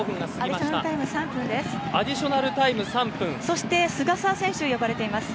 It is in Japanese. アディショナルタイム３分です。